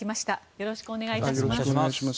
よろしくお願いします。